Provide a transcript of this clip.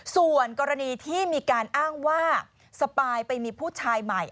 ส่วนกรณีที่มีการอ้างว่าสปายไปมีผู้ชายใหม่